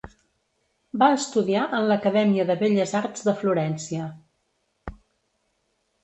Va estudiar en l'Acadèmia de Belles arts de Florència.